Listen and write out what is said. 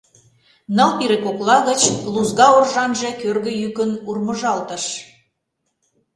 Ныл пире кокла гыч лузга оржанже кӧргӧ йӱкын урмыжалтыш.